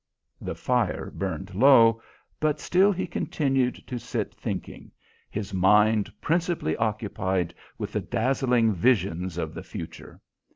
The fire burned low, but still he continued to sit thinking, his mind principally occupied with the dazzling visions of the future.